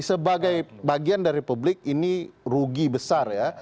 sebagai bagian dari publik ini rugi besar ya